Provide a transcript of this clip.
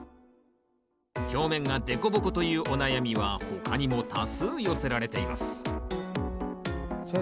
表面がデコボコというお悩みは他にも多数寄せられています先生